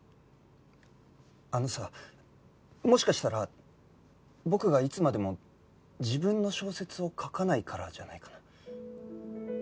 あのさもしかしたら僕がいつまでも自分の小説を書かないからじゃないかな？